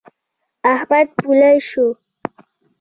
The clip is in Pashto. احمد پولۍ شو.